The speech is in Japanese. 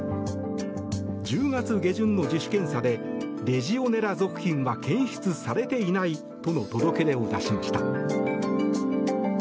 １０月下旬の自主検査でレジオネラ属菌は検出されていないとの届け出を出しました。